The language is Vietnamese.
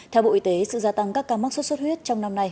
theo bộ y tế sự gia tăng các ca mắc sốt xuất huyết trong năm nay